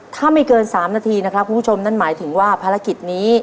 ถ้าไม่เกิน๓นาทีนะครับคุณผู้ชมนั่นหมายถึงว่าภารกิจนี้